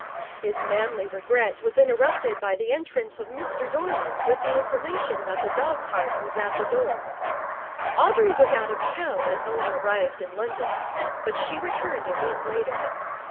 His manly regret was interrupted by the entrance of Mr Dorman with the information that the dog cart was at the door. Audrey was out of town when Owen arrived in London, but she returned a week later.